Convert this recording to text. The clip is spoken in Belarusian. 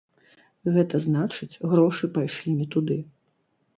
Гэта значыць, грошы пайшлі не туды.